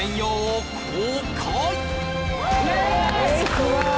すごーい！